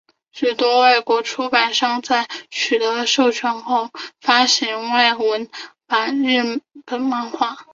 许多外国出版商在取得授权后翻译和发行外文版日本漫画。